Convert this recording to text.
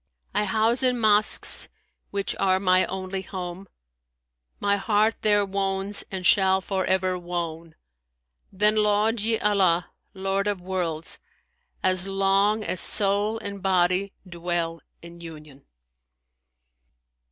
I house in mosques which are my only home; * My heart there wones and shall for ever wone: Then laud ye Allah, Lord of Worlds, as long * As soul and body dwell in union!'"